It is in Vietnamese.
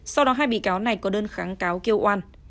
sau đó hai bị cáo này có đơn kháng cáo kêu oan